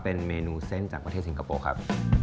เป็นเมนูเส้นจากประเทศสิงคโปร์ครับ